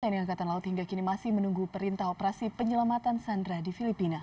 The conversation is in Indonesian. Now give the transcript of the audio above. tni angkatan laut hingga kini masih menunggu perintah operasi penyelamatan sandra di filipina